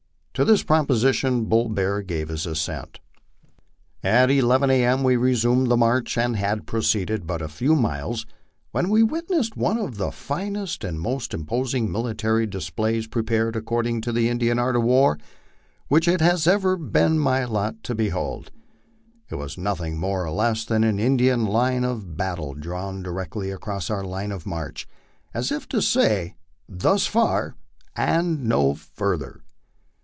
To this proposition Bull Bear gave his assent. At 11 A, M. we resumed the march, and had proceeded but a few miles when we witnessed one of the finest and most imposing military displays, pre pared according to the Indian art of war, which it has ever been my lot to be hold. It was nothing more nor less than an Indian line of battle drawn di rectly across our line of march ; as if to say, Thus far and no further.